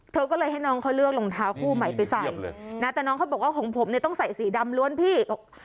เธอก็เลยให้น้องเขาเลือกรองเท้าคู่ใหม่ไปใส่นะแต่น้องเขาบอกว่าของผมเนี่ยต้องใส่สีดำล้วนพี่